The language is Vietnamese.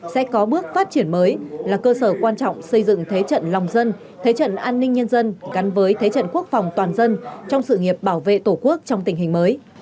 sẽ có bước phát triển mới là cơ sở quan trọng xây dựng thế trận lòng dân thế trận an ninh nhân dân gắn với thế trận quốc phòng toàn dân trong sự nghiệp bảo vệ tổ quốc trong tình hình mới